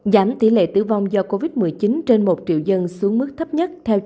giảm tỷ lệ tử vong do covid một mươi chín trên một địa bàn